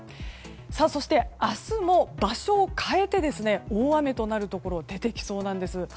そして、明日も場所を変えて大雨となるところが出てきそうなんです。